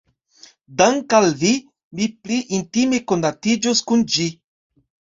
Dank' al vi mi pli intime konatiĝos kun ĝi.